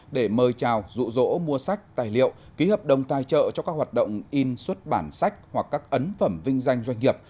để mời chào rụ rỗ mua sách tài liệu ký hợp đồng tài trợ cho các hoạt động in xuất bản sách hoặc các ấn phẩm vinh danh doanh nghiệp